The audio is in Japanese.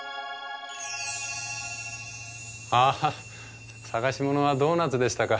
ああ捜し物はドーナツでしたか。